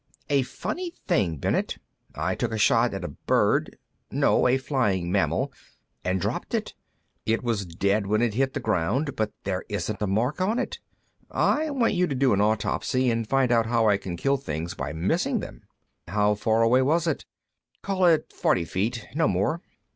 "A funny thing, Bennet. I took a shot at a bird ... no, a flying mammal ... and dropped it. It was dead when it hit the ground, but there isn't a mark on it. I want you to do an autopsy, and find out how I can kill things by missing them." "How far away was it?" "Call it forty feet; no more."